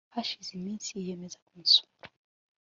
hashize iminsi yiyemeza kumusura